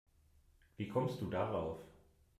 Wie kommst du darauf?